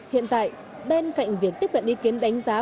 hiện tại bên cạnh việc tiếp cận ý kiến đánh giá